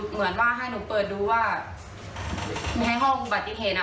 เหมือนว่าให้หนูเปิดดูว่าในห้องบัตรยีเทศอ่ะ